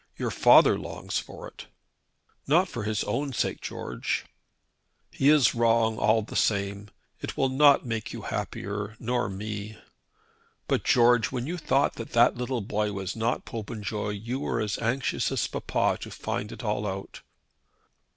Your father longs for it." "Not for his own sake, George." "He is wrong all the same. It will not make you happier, nor me." "But, George, when you thought that that little boy was not Popenjoy you were as anxious as papa to find it all out."